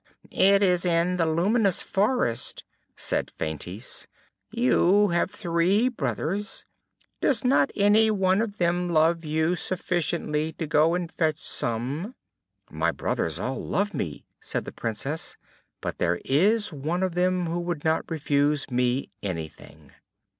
"It is in the luminous forest," said Feintise. "You have three brothers; does not any one of them love you sufficiently to go and fetch some?" "My brothers all love me," said the Princess, "but there is one of them who would not refuse me anything."